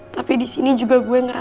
tapi disini juga gue ngerasa